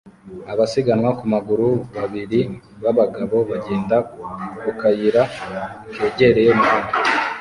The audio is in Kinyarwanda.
abasiganwa ku maguru babiri b'abagabo bagenda ku kayira kegereye umuhanda